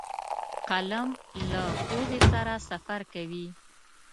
قلم له پوهې سره سفر کوي